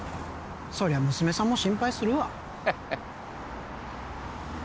そりゃ娘さんも心配するわ